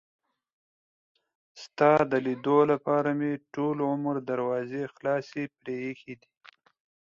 ستا د لیدلو لپاره مې ټول عمر دروازې خلاصې پرې ایښي دي.